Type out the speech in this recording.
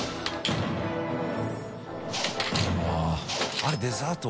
あれデザート？